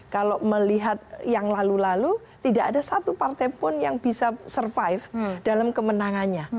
kalau melihat yang lalu lalu tidak ada satu partai pun yang bisa survive dalam kemenangannya